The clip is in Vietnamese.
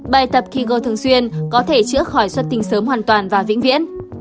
bài tập kigo thường xuyên có thể chữa khỏi xuất tinh sớm hoàn toàn và vĩnh viễn